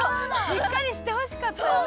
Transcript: しっかりしてほしかったよね